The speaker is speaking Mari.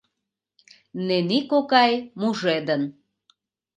Нени кокай мужедын...